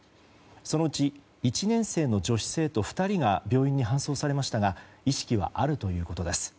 そのうち１年生の女子生徒２人が病院に搬送されましたが意識はあるということです。